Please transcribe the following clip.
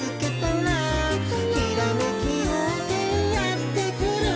「ひらめきようせいやってくる」